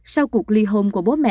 sau cuộc ly hôn của bố mẹ